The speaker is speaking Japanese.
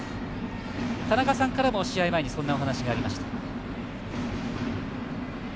田中さんからも、試合前そんなお話がありました。